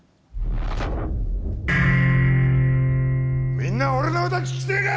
みんな俺の歌聴きてえか！？